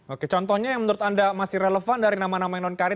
oke contohnya yang menurut anda masih relevan dari nama nama yang non karir